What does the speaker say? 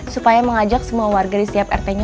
supaya mengajak semua warga di setiap rt nya